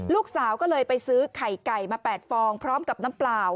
ลูกสาวก็เลยไปซื้อไข่ไก่มา๘ฟองพร้อมกับน้ำเปล่า